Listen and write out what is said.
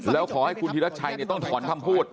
แล้วขอให้คุณธีรัชชัยต้องถอนคำพูด